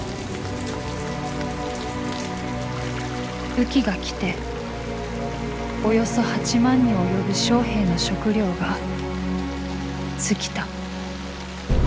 雨季が来ておよそ８万に及ぶ将兵の食料が尽きた。